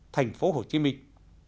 thành phố hồ chí minh